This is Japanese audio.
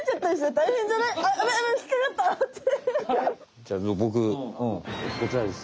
じゃあボクこちらです。